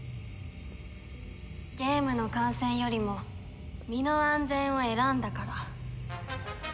ゲームの観戦よりも身の安全を選んだから。